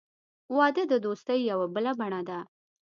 • واده د دوستۍ یوه بله بڼه ده.